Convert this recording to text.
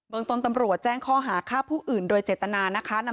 ตนตำรวจแจ้งข้อหาฆ่าผู้อื่นโดยเจตนานะคะ